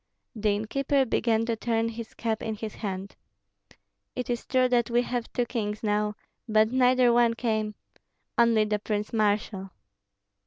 The innkeeper began to turn his cap in his hand. "It is true that we have two kings now, but neither one came, only the prince marshal."